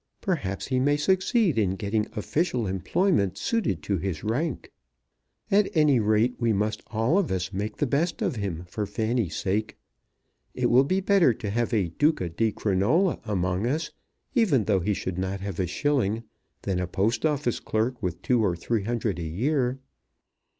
Perhaps he may succeed in getting official employment suited to his rank. At any rate we must all of us make the best of him for Fanny's sake. It will be better to have a Duca di Crinola among us, even though he should not have a shilling, than a Post Office clerk with two or three hundred a year.